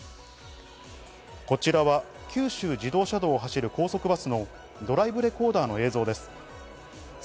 こちらは九州自動車道を走る高速バスのドライブレコーダーの映像です。